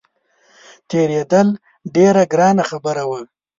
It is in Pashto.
تېرېدل ډېره ګرانه خبره وه.